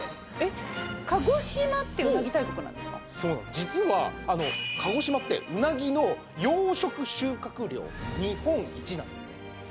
実は鹿児島ってうなぎの養殖収穫量日本一なんですね。